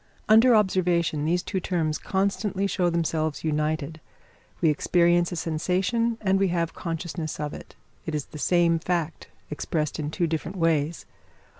Under observation these two terms constantly show themselves united. We experience a sensation and have consciousness of it; it is the same fact expressed in two different ways.